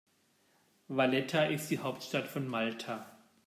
Valletta ist die Hauptstadt von Malta.